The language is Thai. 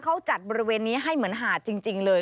เขาจัดบริเวณนี้ให้เหมือนหาดจริงเลย